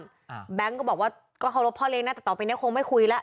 แบงค์ก็บอกว่าก็เคารพพ่อเลี้ยนะแต่ต่อไปเนี้ยคงไม่คุยแล้ว